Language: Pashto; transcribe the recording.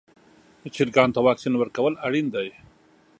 چرګانو ته واکسین ورکول اړین دي.